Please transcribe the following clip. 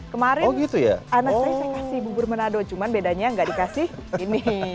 kemarin anak saya kasih bubur menado cuman bedanya nggak dikasih ini